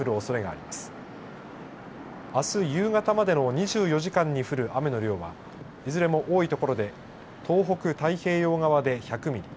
あす夕方までの２４時間に降る雨の量はいずれも多い所で東北太平洋側で１００ミリ